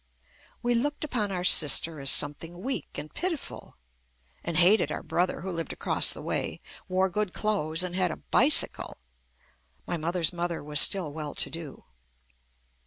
We looked upon our sister as something weak and pitiful and hated our brother, who lived across the way, wore good clothes and had a bicycle (my mother's mother was still well to do)